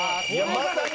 まさに。